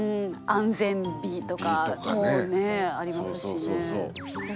安全日とかもねありますしね。